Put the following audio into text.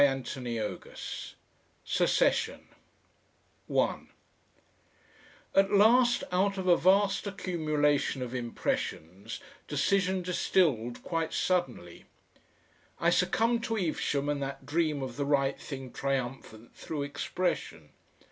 CHAPTER THE THIRD ~~ SECESSION 1 At last, out of a vast accumulation of impressions, decision distilled quite suddenly. I succumbed to Evesham and that dream of the right thing triumphant through expression.